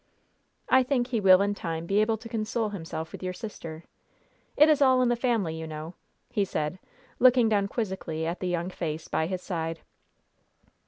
I think he will in time be able to console himself with your sister. It is all in the family, you know!" he said, looking down quizzically at the young face by his side.